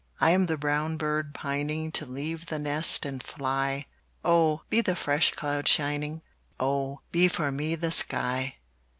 I am the brown bird pining To leave the nest and fly Oh, be the fresh cloud shining, Oh, be for me the sky!